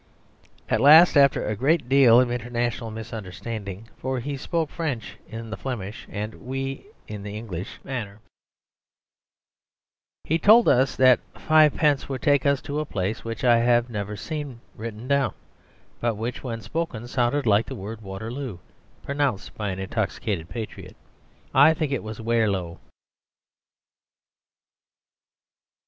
At last, after a great deal of international misunderstanding (for he spoke French in the Flemish and we in the English manner), he told us that fivepence would take us to a place which I have never seen written down, but which when spoken sounded like the word "Waterloo" pronounced by an intoxicated patriot; I think it was Waerlowe.